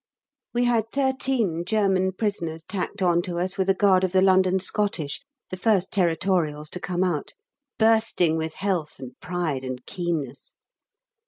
We had thirteen German prisoners tacked on to us with a guard of the London Scottish, the first Territorials to come out, bursting with health and pride and keenness.